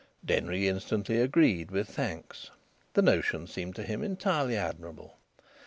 Denry instantly agreed, with thanks: the notion seemed to him entirely admirable.